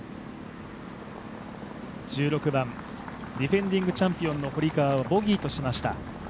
１６番、ディフェンディングチャンピオンの堀川はボギーとしました。